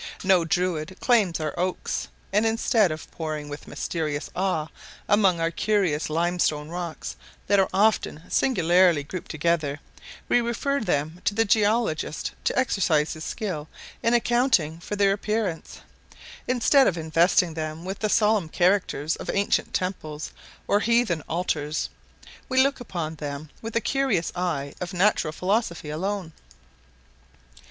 No Druid claims our oaks; and instead of poring with mysterious awe among our curious limestone rocks, that are often singularly grouped together, we refer them to the geologist to exercise his skill in accounting for their appearance: instead of investing them with the solemn characters of ancient temples or heathen altars, we look upon them with the curious eye of natural philosophy alone.